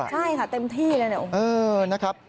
ใช่ค่ะเต็มที่เลยนะ